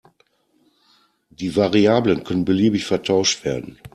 Die Variablen können beliebig vertauscht werden.